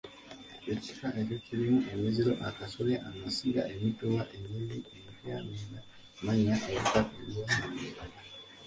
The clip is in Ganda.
Ekika ekyo kirimu omuziro, akasolya amasiga, emituba ennyiriri, empya n’enda, amannya obutaka emibala n’ebirala.